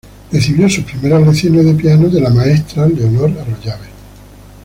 Recibió sus primeras lecciones de piano de las maestras Leonor Arroyave vda.